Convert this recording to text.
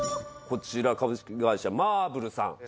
こちら株式会社マーブルさん。